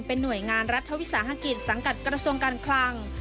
เป็นหน่วยงานรัฐวิสาหกิจสังกัดกระทรวงการคลัง